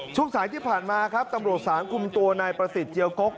ช่วงสายที่ผ่านมาครับตำรวจศาลคุมตัวนายประสิทธิ์เจียวกก